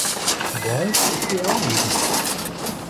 Bom e fiel amigo!